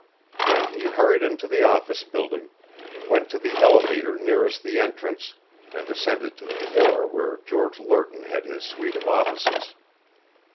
Then he hurried into the office building, went to the elevator nearest the entrance, and ascended to the floor where George Lerton had his suite of offices.